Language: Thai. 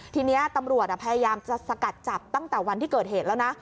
ทีนี้ตำรวจพยายามจะสกัดจับตั้งแต่วันที่เกิดเหตุแล้วนะ